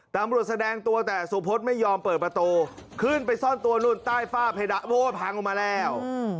แสดงตัวแต่สุพธไม่ยอมเปิดประตูขึ้นไปซ่อนตัวนู่นใต้ฝ้าเพดานเพราะว่าพังออกมาแล้ว